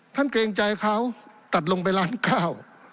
ท่านเกรงใจเขาตัดลงไปล้านก้าว